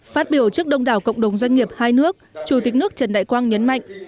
phát biểu trước đông đảo cộng đồng doanh nghiệp hai nước chủ tịch nước trần đại quang nhấn mạnh